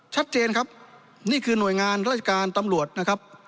ชัดเจนครับนี่คือหน่วยงานราชการตำรวจนะครับ